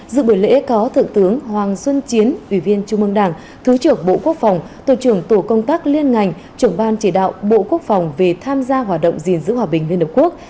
dự buổi lễ có thượng tướng hoàng xuân chiến ủy viên trung mương đảng thứ trưởng bộ quốc phòng tổ trưởng tổ công tác liên ngành trưởng ban chỉ đạo bộ quốc phòng về tham gia hoạt động gìn giữ hòa bình liên hợp quốc